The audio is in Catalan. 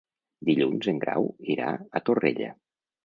Dilluns en Grau irà a Torrella.